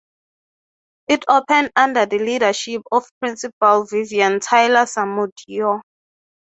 It opened under the leadership of Principal Vivian Taylor-Samudio.